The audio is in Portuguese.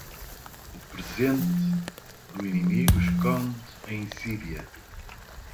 O presente do inimigo esconde a insídia.